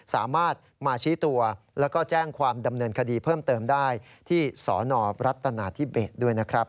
สามารถมาชี้ตัวแล้วก็แจ้งความดำเนินคดีเพิ่มเติมได้ที่สนรัฐนาธิเบสด้วยนะครับ